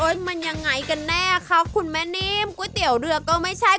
มันยังไงกันแน่คะคุณแม่นิ่มก๋วยเตี๋ยวเรือก็ไม่ใช่